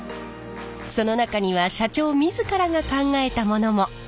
その中には社長自らが考えたものも。